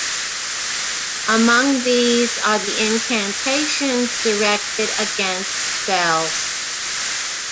Among these are the incantations directed against spells.